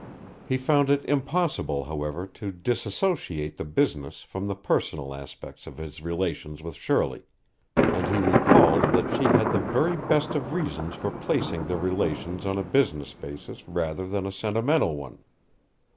He found it impossible, however, to dissociate the business from the personal aspects of his relations with Shirley, and he recalled that she had the very best of reasons for placing their relations on a business basis rather than a sentimental one.